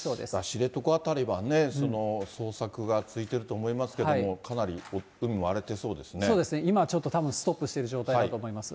知床辺りはね、捜索が続いていると思いますけれども、かなり海、そうですね、今ちょっと、たぶんストップしてる状態だと思います。